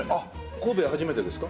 神戸は初めてですか？